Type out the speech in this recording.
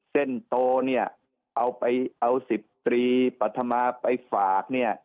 เส้นโตเนี่ยเอาไปเอา๑๐ตรีปรัฐมาไปฝากเนี่ย